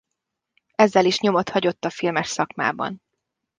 Ezzel is nyomot hagyott a filmes szakmában.